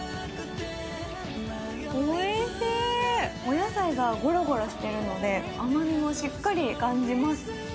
おいしい、お野菜がごろごろしているので甘みもしっかり感じます。